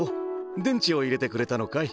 でんちをいれてくれたのかい？